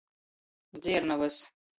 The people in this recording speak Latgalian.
Dziernovys.